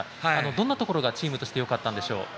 どんなところがチームとしてよかったんでしょう。